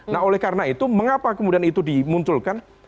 nah oleh karena itu mengapa kemudian itu dimunculkan